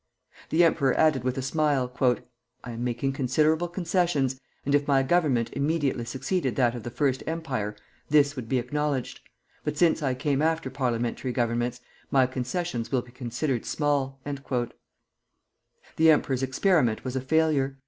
The emperor added, with a smile: "I am making considerable concessions, and if my government immediately succeeded that of the First Empire, this would be acknowledged; but since I came after parliamentary governments, my concessions will be considered small." The emperor's experiment was a failure.